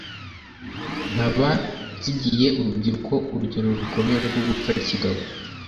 nkaba nsigiye urubyiruko urugero rukomeye rwo gupfa kigabo